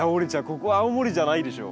ここ青森じゃないでしょ。